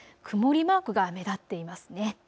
曇りマークが目立っていますね。